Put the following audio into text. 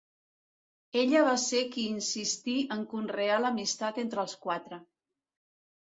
Ella va ser qui insistí en conrear l’amistat entre els quatre.